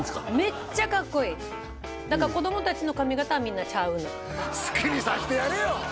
めっちゃかっこいい子供達の髪形はみんなチャ・ウヌ好きにさせてやれよ！